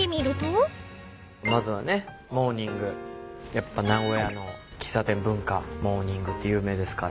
やっぱ名古屋の喫茶店文化モーニングって有名ですから。